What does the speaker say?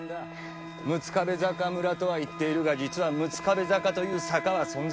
六壁坂村とは言っているが実は六壁坂という坂は存在しない。